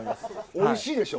おいしいでしょ？